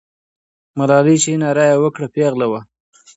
ملالۍ چې ناره یې وکړه، پیغله وه.